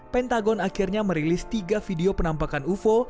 pentagon akhirnya merilis tiga video penampakan ufo